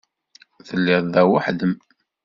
Telliḍ da weḥd-m?